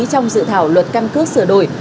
trong dự thảo luật căn cước sửa đổi